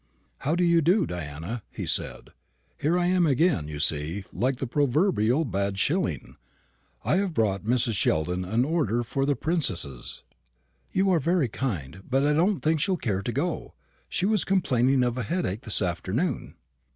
"How do you do, Diana?" he said. "Here I am again, you see, like the proverbial bad shilling. I have brought Mrs. Sheldon an order for the Princess's." "You are very kind; but I don't think she'll care to go. She was complaining of a headache this afternoon."